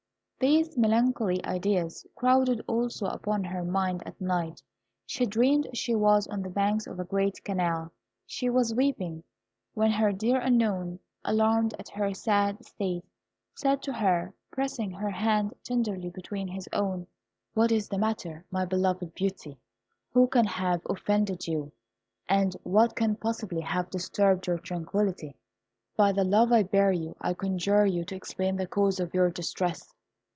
These melancholy ideas crowded also upon her mind at night. She dreamed she was on the banks of a great canal; she was weeping, when her dear Unknown, alarmed at her sad state, said to her, pressing her hand tenderly between his own, "What is the matter, my beloved Beauty? Who can have offended you, and what can possibly have disturbed your tranquillity? By the love I bear you, I conjure you to explain the cause of your distress.